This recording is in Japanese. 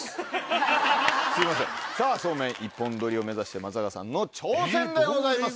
すいませんさぁそうめん一本取りを目指して松坂さんの挑戦でございます。